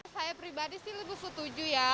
saya pribadi sih lebih setuju ya